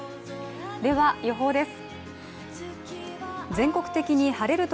では予報です。